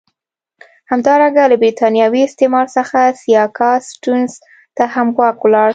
همدارنګه له برېتانوي استعمار څخه سیاکا سټیونز ته هم واک ولاړ.